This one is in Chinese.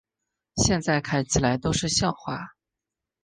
现在看起来都是笑话